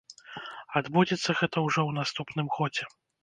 Адбудзецца гэта ўжо ў наступным годзе.